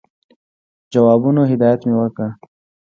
جوابونو هدایت مي ورکړ.